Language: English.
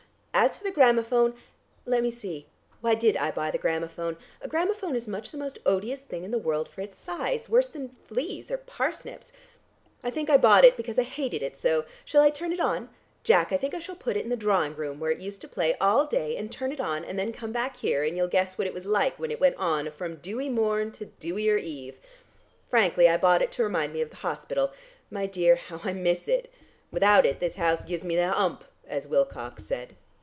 As for the gramophone let me see, why did I buy the gramophone? A gramophone is much the most odious thing in the world for its size, worse than fleas or parsnips. I think I bought it because I hated it so. Shall I turn it on? Jack, I think I shall put it in the drawing room where it used to play all day, and turn it on and then come back here, and you'll guess what it was like when it went on from dewy morn to dewier eve. Frankly, I bought it to remind me of the hospital. My dear, how I miss it! Without it this house gives me the hump, as Wilcox said."